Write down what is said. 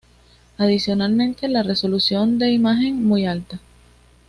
Adicionalmente la resolución de imagen muy alta.